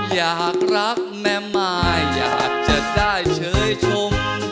อยากรักแม่มายอยากจะได้เฉยชม